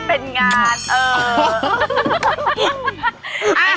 เป็นงานเออ